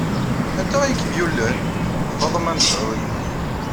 Anta ay kem-yullen? D Faḍma Mesɛud.